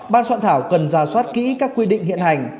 ban soạn thảo cần ra soát kỹ các quy định hiện hành